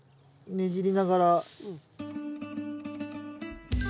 ねじりながら。